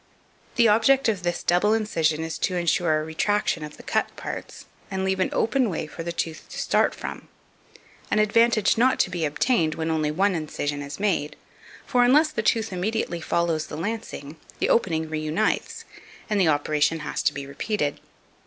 The object of this double incision is to insure a retraction of the cut parts, and leave an open way for the tooth to start from an advantage not to be obtained when only one incision is made; for unless the tooth immediately follows the lancing, the opening reunites, and the operation has to be repeated.